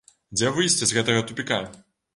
Дзе выйсце з гэтага тупіка?